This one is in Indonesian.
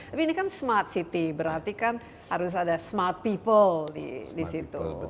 tapi ini kan smart city berarti kan harus ada smart people di situ